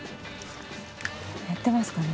やってますかね。